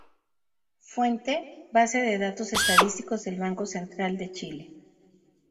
Fuente: Base de datos estadísticos del Banco Central de Chile